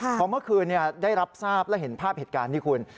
พอเมื่อคืนได้รับทราบและเห็นภาพเหตุการณ์ที่คุณ